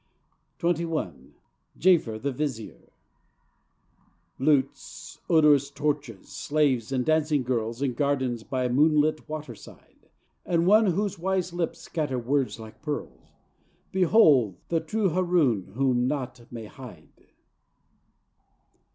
XXI Jaafer the Vizier Lutes, odorous torches, slaves and dancing girls In gardens by a moonlit waterside, And one whose wise lips scatter words like pearls Behold the true Haroun whom naught may hide!